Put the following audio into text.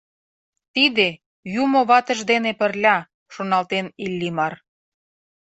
Тиде — юмо ватыж дене пырля, шоналтен Иллимар.